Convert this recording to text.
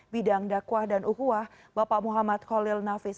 bidang dakwah dan uhuah bapak muhammad khalil nafis